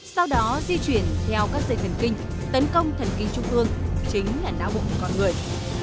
sau đó di chuyển theo các dây thần kinh tấn công thần kinh trung thương chính là não bụng con người